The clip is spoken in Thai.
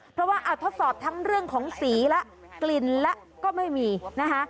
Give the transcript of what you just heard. เพราะว่าทดสอบทั้งเรื่องของสีและกลิ่นและก็ไม่มีนะคะ